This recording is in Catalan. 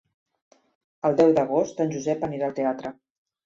El deu d'agost en Josep anirà al teatre.